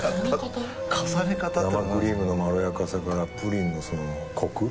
生クリームのまろやかさからプリンのそのコク。